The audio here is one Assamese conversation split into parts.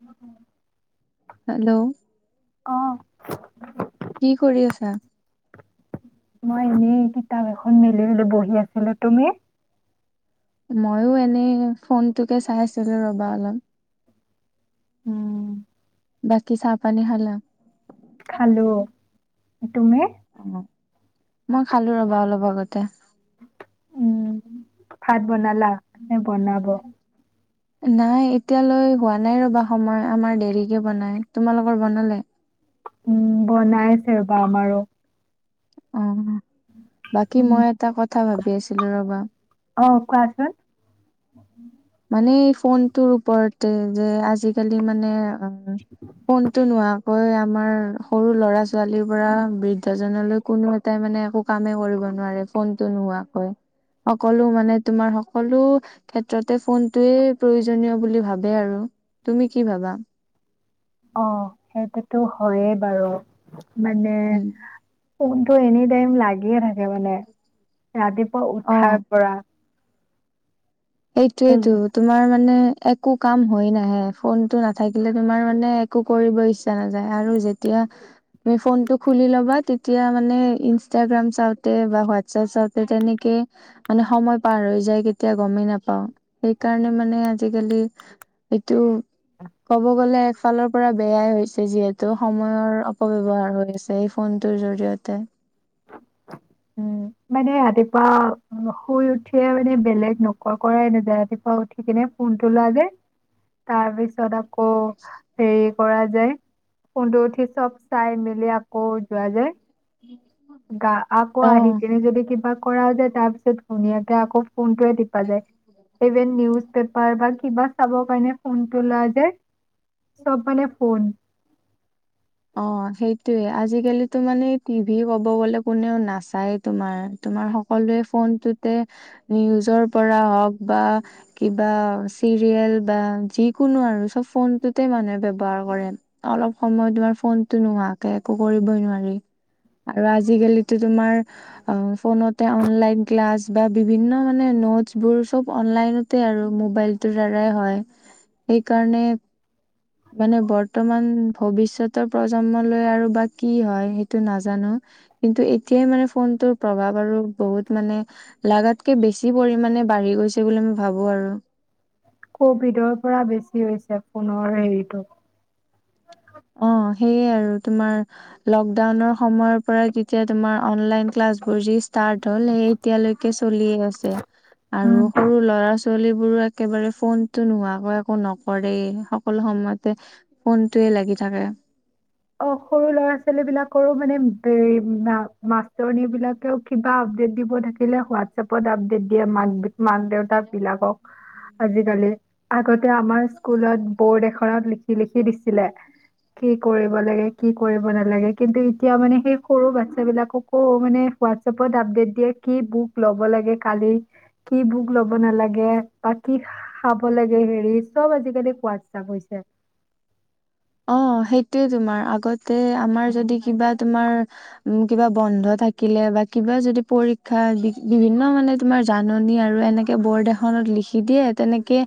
উম হম হেল্ল' অহ কি কৰি আছা? মই এনেই কিতাপ এখন মেলি মেলি বহি আছিলো তুমি? মইয়ো এনেই ফোনটোকে চাইছিলো ৰবা অলপ উম বাকি চাহ পানী খালা? খালো তুমি? অ', মই খালো ৰবা অলপ আগতে উম ভাত বনালা‌? বনাব নাই এতিয়ালৈ হোৱা নাই ৰবা সময় আমাৰ দেৰিকে বনাই তোমালোকৰ বনালে? উম বনাই আছে ৰবা আমাৰো অ বাকী উম মই এটা কথা কথা ভাবি আছিলো ৰবা অ কোৱাচোন মানে ফোনটোৰ ওপৰতে যে আজিকালি মানে কোনটো নোহোৱা হৈ হয় আমাৰ সৰু ল'ৰা ছোৱালীৰ পৰা বৃদ্ধ জনলৈ কোনো এটাই মানে একো কামে কৰিব নোৱাৰে ফোনটো নোহোৱাকৈ সকলো মানে তোমাৰ সকলো ক্ষেত্ৰত তাতে ফোনটোয়ে প্ৰয়োজনীয় বুলি ভাৱে আৰু তুমি কি ভাবা অ সেইটোতো হয়েই বাৰু মানে উম ফোনটো এনি টাইম লাগিয়ে থাকে মানে ৰাতিপুৱা অ উঠাৰ পৰা এইটোয়েইটো এইবোৰ। তোমাৰ মানে একো কাম হৈ নাহে ফোন টো নাথাকিলে তোমাৰ মানে একো কৰিব ইচ্ছা নাযায় আৰু যেতিয়া তুমি ফোনটো খুলি ল'বা তেতিয়া মানে ইনষ্টাগ্ৰাম চাওঁতে বা হোৱাটছএপ চাওঁতে তেনেকে মানে সময় পাৰ হৈ যায় কেতিয়া গমেই নাপ ক সেইকাৰণে মানে আজি আজিকালি এইটো ক'ব গ'লে এফালৰ পৰা বেয়াই হৈছে যিহেতু সময়ৰ অপব্যৱহাৰ হৈছে এই ফোনটোৰ জৰিয়তে উম মানে ৰাতিপুৱা উ শুই উঠিয়ে মানে বেলেগ নকৰ কৰাই নযায় ৰাতিপুৱা উঠি কিনে ফোনটো লোৱা যায় তাৰ পিছত তথাপ কৰো হেৰি সেই কৰা যায় ফোনটো উঠি চব চাই মেলি কত যোৱা যে গা আকৌ অ আহি কেনে যদি কিবা কৰা যায় তাৰ পিছত ধুনীয়াকে আকৌ ফোনটোৱে টিপা যায় ইভেন নিউজ পেপাৰ বা কিবা চাবৰ কাৰণে ফোনটো লোৱা যায চব মানে ফোন অ সেইটোয়ে আজিকালিতো মানে টিভি ক'ব গলে কোনেও নাচায় তোমাৰ তোমাৰ সকলোৱে ফোনটোতে নিউজৰ পৰা হওঁক বা কিবা চিৰিয়েল বা যিকোনো আৰু চব ফোনটোতে মানুহে ব্যৱহাৰ কৰে অলপ সময় তোমাৰ ফোনটো নোৱাকে একো কৰিবই নোৱাৰি আৰু আজিকালিতো তোমাৰ ফোনতে অনলাইন ক্লাছ বা বিভিন্ন মানে নোটছবোৰ চব অনলাইনতে আৰু মোবাইলটোৰ দ্বাৰাই হয় সেইকাৰণে মানে বৰ্তমান ভৱিষ্যত পিছৰ প্ৰজন্মলৈ আৰু বা কি হয় সেইটো নাজানো কিন্তু এতিয়াই মানে ফোনটোৰ প্ৰভাৱ আৰু বহুত মানে লাগাতকে বেছি পৰিামানে বাঢ়ি গৈছে বুলি মই ভাবো আৰু কভিডৰ পৰা বেছি হৈছে ফোনৰ হেৰিটো অ সেয়ে আৰু তোমাৰ লকডাউনৰ সময়ৰ পৰা যেতিয়া তোমাৰ অনলাইন ক্লাছ বোৰ যি ষ্টাৰ্ট তল সেয়া লৈকেএতিয়ালৈকে চলিয়ে আছে আৰু উম সৰু ল'ৰা ছো ছোৱালী বোৰো একেবাৰে ফোনতো নোহোৱাকৈ একো নকৰে সকলো সময়তে ফোনটোৱে লাগি থাকে অ সৰু ল'ৰা ছোৱালী বিলাকৰো মানে বে মা মাষ্টৰনী বিলাকেও কিবা আপডেট দিব থাকিলে হোৱাটছএপত আপডেট দিয়ে মাক মাক দেউতাক বিলাকক আজিকালি আগতে আমাৰ স্কুলত বৰ্ড, এখনত লিখি লিখি দিছিলে কি কৰি কি কৰিব নালাগে কিন্তু এতিয়া মানে সেই সৰু বাচ্ছা বিলাককো মানে হোৱাটচপত আপডেট দিয়ে কি বুক লব লাগে কালি কি বুক লব নালাগে বা কি খাব লাগে হেৰি চব আজি কালি হোৱাটচপ হৈছে। অ সেইটোৱে তোমাৰ আগতে আমাৰ যদি কিবা তোমাৰ কিবা বন্ধ থাকিলে বা কিবা যদি পৰীক্ষা বিভিন্ন মানে তোমাৰ জাননী আৰু এনেকে বৰ্ড, এখনত লিখি দিয়ে তেনেকে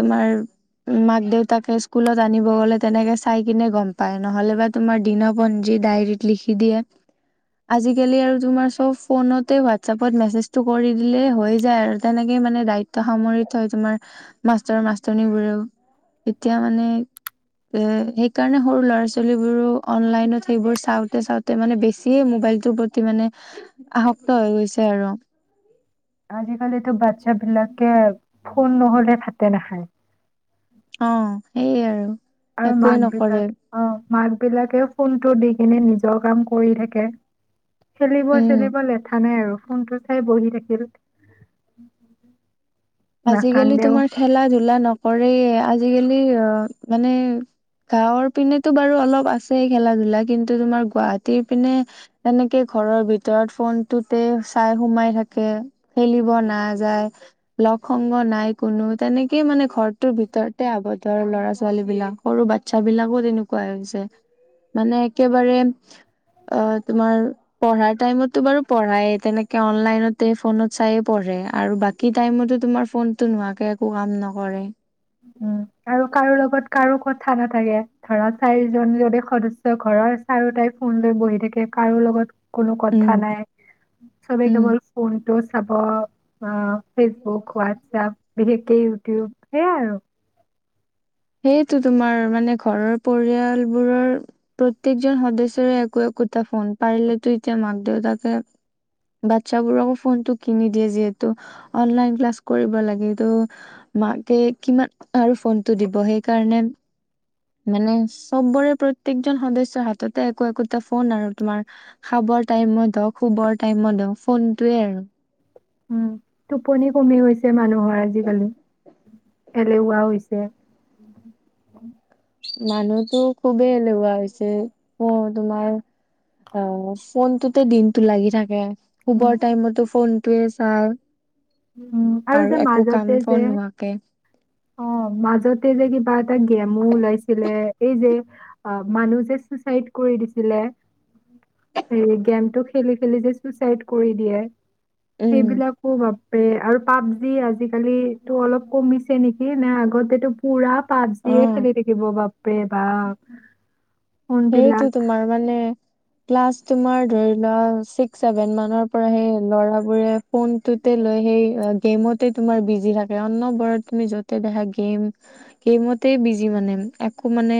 তোমাৰ মাক দেউতাকে স্কুলত, আনিব গ'লে, নে চাই কিনে গম পায় নহলে বা দিপঞ্জীত, দায়েৰীত, লিখি দিয়ে আজি কালি আৰু তোমাৰ চব ফোনতে ৱাটচপত মেচেজ টো কৰি দিলে হৈ যায় আৰু তেনেকে দায়িত্ব সামৰি থয় তোমাৰ মাষ্টৰ মাষ্টৰনী বোৰেও এতিয়া মানে এ সেইকাৰনে সৰু ল'ৰা ছোৱালীবোৰো অনলাইনত সেইবোৰ চাওঁতে চাওঁতে মানে বেছিয়ে মোবাইলটোৰ প্ৰতি মানে আসক্ত হৈ গৈছে। আৰু- আজিকালিতো বাচ্ছাবিলাকে ফোন নহলে ভাতে নাখায়। অ সেইয়ে আৰু আৰু একোৱে মাক নকৰে বিতাক অ মাক বিলাকে ফোনটো দি কিনে নিজৰ কাম কৰি থাকে। খেলিব উম চেলিব লেঠা নাই। আৰু ফোনটো চাই বহি থাকিল আজিকালি নাকান্দেও তোমাৰ খেলা ধূলা নক কৰে আজিকালি অ মানে গাঁৱৰ পিনেতো বাৰু অলপ আছে খেলা ধূলা কিন্তু তোমাৰ গুৱাহাটীৰ পিনে তেনেকে ঘৰৰ ভিতৰত ফোনটোতে চাই সোমাই থাকে খেলিব নাযায়। লগ সংগ নাই কোনো তেনেকেই মানে ঘৰটোৰ ভিতৰতে আব ধৰ ল'ৰা ছোৱালী বিলাক সৰু বাচ্ছ বিলাকো তেনেকুৱা হৈছে মানে একেবাৰে অ তোমাৰ পঢ়াৰ টাইমতটো বাৰু পঢ়ায় তেনেকে অনলাইনতে ফোনত চাই পঢ়ে আৰু বাকী টাইমতো তোমাৰ ফোনতটো নোহাকে একো কাম নকৰে। উম আৰু কাৰো লগত কাৰো কথা নাথাকে ধৰা চাৰিজন যদি সদস্য ঘৰৰ চাৰিও তাই ফোন লৈ বহি থাকে। কাৰো লগত কোনো উম, কথা নাই চবে উম। কেৱল ফোনটো চাব। অ ফেচবুক হোৱাটছএপ বিষেককে ইউটিউব সেই আই আৰু সেইটো তোমাৰ মানে ঘৰৰ পৰিয়ালবোৰৰ প্ৰতেকজন সদস্য একোটা ফোন পাৰো এতিয়া মাক দেউতাকে বাচ্ছা বোৰকো ফোন কিনি দিয়ে যে অনলাইন ক্লাচ কৰিব লাগে এইটো মাকে কিমান আৰু ফোনটো দিব। সেইকাৰণে মানে চবৰে প্ৰত্যেকজন সদস্য হাততে একো একোটা ফোন আৰু তোমাৰ খাবৰ টাইমত হওঁক শুবৰ টাইমত হওওঁক ফোনটোয়ে আৰু উম টোপনি কমি গৈছে ।মানুহৰ আজিকালি এলেৱা হৈছে। মানুহতো খুবেই এলেহুৱা হৈছে। অ তোমাৰ অ ফোনটোতে দিনতটো লাগি থাকে। উম, শুবৰ টাইমত ফোন তোৱে চাই উম আৰু যে একো কাম মাজতে বন যে নোহোৱাকে অ মাজতে যে কিবা এটা গেম ওলাইছিলে এই যে মানুহ যে চুচাইড কৰি দিছিলে। সে গেমটো। খেলি খেলি যে ছুচাইড কৰি দিয়ে। উম সেইবিলাকো আৰু পাবজি আজিকালিটো অলপ কমিছে নেকি নে আগতেতটো পুৰা অ পাবজিয়ে খেলি থাকিব বাপ। বাপৰে বাপ ফোনবিলাক সেইটো তোমাৰ মানে ক্লাছ তোমাৰ ধৰি লোৱা ছিক্স ছেভেন মানৰ পৰা সেই ল'ৰাবোৰে ফোনটোতে লৈ সেই গেমতে তোমাৰ বিজি থাকে অন্ বৰত তুমি যতে দেখা গেম গেমতে বিজি মানে একো মানে।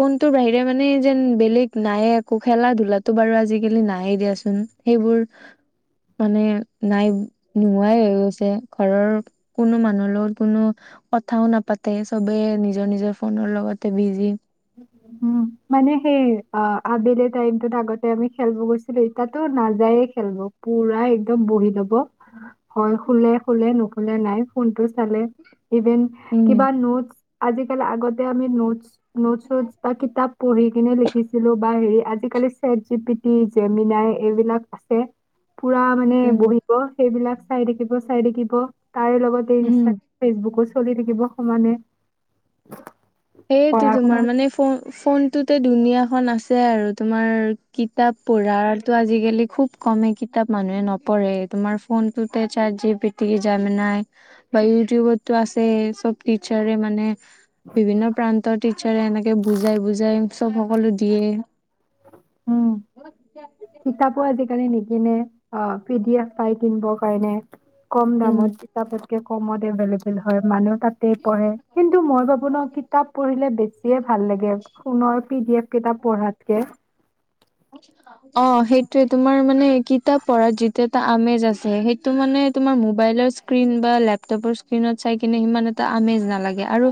ফোনটোৰ বাহিৰে মানে যেন বেলেগ নাইে একো খেলা ধূলাতটো বাৰু আজিকালি নাইে দিয়াচোন সেইবোৰ মানে নাই নোহোৱাই হৈ গৈছে ঘৰৰ কোনো মানুহৰ লগত কোনো কথাও নাপাতে চবে নিজৰ নিজৰ ফোনৰ লগতে বিজি। উম মানে সেই অ আবেলি টাইমতটোত আগতে আমি খেলিব গৈছিলো এতিয়া টো নাযায়ে খেলিব, পুৰা একদম বহি লব হয় শোলে শোলে নুশুলে নাই ফোনটো ইভন উম কিবা নোট আজিকালি আগতে আমি নোটচ নোটোট বা কিতাপ পঢ়ি কিনে লিখিছিলো বা হেৰি আজিকালি set G P T Gemini এইবিলাক আছে । পুৰা মানে উম বহিব সেইবিলাক চাই থাকিব, চাই থাকিব। তাৰে লগতে উম ইনষ্টাগ্ৰ, ফেচবুকো চলি থাকিব সমানে। সেইটো পঢ়া শুনা তোমাৰ মানে ফোনটোতে দুুনীয়াখন আছে আৰু তোমাৰ কিতাপ পঢ়াৰটো আজিকালি খুব কমেই কিতাপ মানুহে নপঢ়ে, তোমাৰ ফোন টোতে চাতজিতিপি, জেমিনাই বা ইউটিউবতটো আছে ই চব টিচাৰ মানে বিভিন্ন প্ৰান্তৰ টিচাৰে এনেকে বুজাই বুজাই চব সকলো দিয়ে উম । কিতাপো আজিকালি নিকেনে, অ পি ডি এফ পাই কিনিবৰ কাৰণে । কম উম দামত কিতাপ কমত এভেইলএবল হয় মানুহ । তাতেই পঢ়ে কিন্তু মই ভাবো ন কিতাপ পঢ়িলে বেছি ভাল লাগে ফোনৰ পি ডি এফ কিতাপ পঢ়াতকে অ সেইটোয়ে তোমাৰ মানে কিতাপ পঢ়া যিটো এটা আমেজ আছে, সেইটো মানে তোমাৰ মোবাইলৰ স্ক্ৰীণ বা লেপটপৰ স্ক্ৰীণত চাই কিনে সমান এটা আমেজ নালাগে আৰু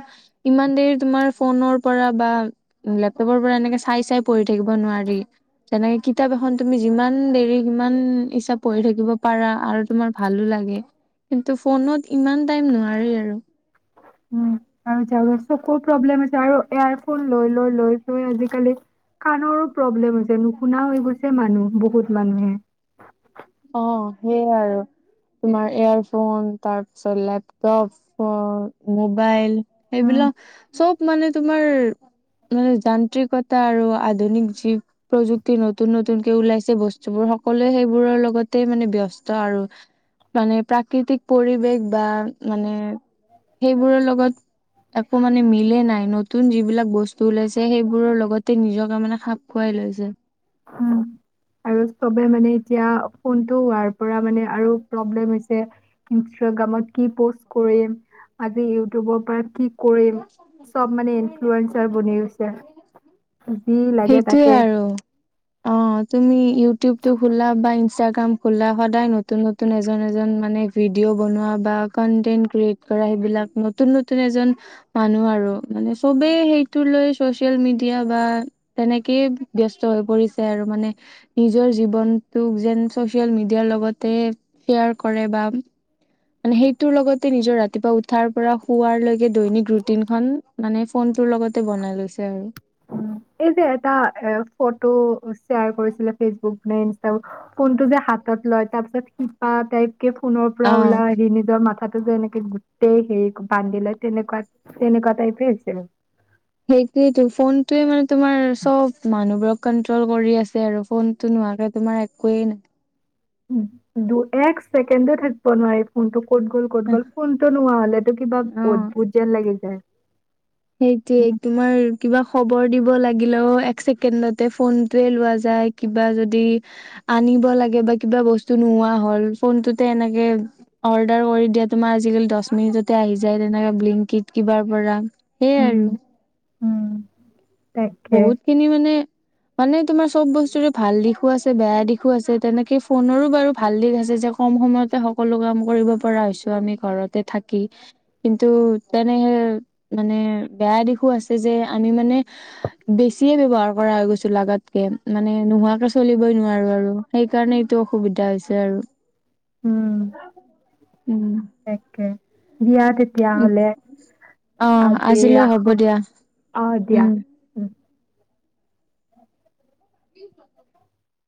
ইমান দেৰি তোমাৰ ফোনৰ পৰা বা লেপটপৰ পৰা এনেকে চাই চাই পঢ়ি থাকিব নোৱাৰি। যেনেকে কিতাপ এখন তুমি যিমান দেৰি সিমান ইচ্ছা পঢ়ি থাকিব পাৰা আৰু তোমাৰ ভালো লাগে কিন্তু ফোনত ইমান টাইম নোৱাৰি আৰু। উম আৰু য চকু প্ৰব্লেম হৈছে আৰু এয়াৰফোন লৈ লৈ লৈ আজিকালি কাণৰো প্ৰব্লেম হৈছে। শুনা হৈ গৈছে মানুহ বহুত মানুহে অ সেইয়াই আৰু তোমাৰ এয়াৰফোন তাৰপিছত লেপটপ মোবাইল উম এইবিলাক চব মানে তোমাৰ মানে যান্ত্ৰিকতা আৰু আধুনিক যি প্ৰযুক্তি নতুন নতুনকে ওলাইছে বস্তুবোৰ সকলোৱে সেইবোৰৰ লগত লগতে মানে ব্যস্ত আৰু মানে প্ৰাকৃতিক পৰিৱেশ বা মানে সেইবোৰৰ লগত একো মানে মিলে নাই, নতুন যিবিলাক বস্তু ওলাইছে সেইবোৰৰ লগতে নিজকে মানে খাপ খুৱাই লৈছে। উম আৰু চবে মানে এতিয়া ফোন টো হোৱাৰ পৰা মানে আৰু প্ৰব্লেম হৈছে। ইনষ্টাগ্ৰামত কি প কৰিম? আজি ইউটিউবৰ পৰা কি কৰিম চব মানে ইনফ্লুৱেঞ্চাৰ বনি গৈছে যি লাগে সেইটোৱে তাকে আৰু অ তুমি ইউ ইউটিউব টো খোলা বা ইষ্টাগ্ৰাম খোলা সদাই নতুন নতুন এজন এজন মানে ভিডিঅ বনুৱা বা কণ্টেণ্ট ক্ৰিয়েট কৰা সেইবিলাক নতুন নতুন এজন মানুহ আৰু মানে চবে সেইটো লৈ চচিয়েল মিডিয়া বা তেনেকেই ব্যস্ত হৈ পৰিছে আৰু মানে নিজৰ জীৱনটোক যেন চচিয়েল মিডিয়াৰ লগতে শ্বেয়াৰ কৰে বা মানে সেইটোৰ লগতে নিজৰ ৰাতিপুৱা উঠাৰ পৰা শুৱাৰ লৈকে দৈনিক ৰুটিন খম মানে ফোনটোৰ লগতে বনাই লৈছে আৰু । এই যে এটা এ ফটো শ্বেয়াৰ কৰিছিলে ফেচবুক নে ইনষ্ট ফোনটো যে হাতত লয় তাৰপিছত শিপা টাইপ কে ফোনৰ পৰা অ ওলাই আহি নিজৰ মাথাটো যে এনেকে । গোটেই হেৰি বান্ধি লে তেনেকুৱা তেনেকুৱা টাইপে হৈছিল । হেইটোৱেটো ফোনটোৱে মানে তোমাৰ [inaudible] [unintelligible] কন্ট্ৰল কৰি আছে আৰু ফোনটো নোহোৱাকে তোমাৰ একোৱেই নাই । দু এক ছেকেণ্ডও থাকিব নোৱাৰি ফোনটো । ক'ত গ'ল ক'ত গ'ল ফোনটো নোহোৱা হলে টো কিবা অ অদ্ভুত যেন লাগি যায় । সেইটোৱে তোমাৰ কিবা । খবৰ দিব লাগিলেও এক ছেকেণ্ডতে ফোনটোৱে লোৱা যায় কিবা যদি আনিব লাগে বা কিবা বস্তু নোহোৱা হল ফোনটোতে এনেকে অৰ্ডাৰ কৰি দিয়া তোমাৰ আজিকালি দহ মিনিটতে আহি যায় তেনেকা ব্লিংকিত কিবাৰ পৰা । উম উম । বহুত খিনি মানে । মানে তোমাৰ চব বস্তুৰে ভাল দিশো আছে বেয়া দিশো আছে তেনেকে ফোনৰো বাৰু ভাল দিশ আছে যে কম সময়তে সকলো কাম কৰিব পৰা হৈছো আমি ঘৰতে থাকি কিন্তু তেনে মানে বেয়া দিশো আছে যে আমি মানে । বেছিয়ে ব্যৱহাৰ কৰা হৈ গৈছো লাগাতকে মানে নোহোৱাকে চলিবই নোৱাৰো আৰু সেইকাৰণে এইটো অসুবিধা হৈছে আৰু । উম । এক এক । দিয়া তেতিয়াাহলে অ দে আজিলৈ হ'ব ৰাখো দিয়া অঁ দিয়া উম । [unintelligible]